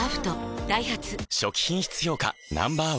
ダイハツ初期品質評価Ｎｏ．１